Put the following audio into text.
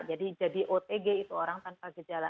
jadi jadi otg itu orang tanpa gejala